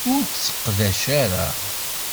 Ur t-tesseqdac ara.